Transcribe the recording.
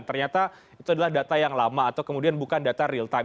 ternyata itu adalah data yang lama atau kemudian bukan data real time